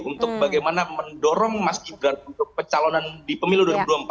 untuk bagaimana mendorong mas gibran untuk pecalonan di pemilu dua ribu dua puluh empat